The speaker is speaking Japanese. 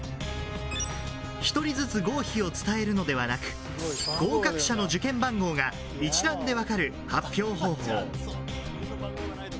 １人ずつ合否を伝えるのではなく、合格者の受験番号が一覧で分かる発表方法。